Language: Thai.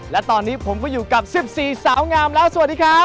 และตอนนี้ผมก็อยู่กับ๑๔สาวงามแล้วสวัสดีครับ